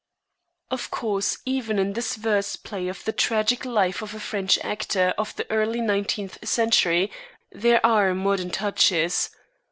Of course, even in this verse play of the tragic life of a French actor of the early nineteenth century there are modern touches.